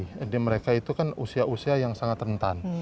jadi mereka itu kan usia usia yang sangat rentan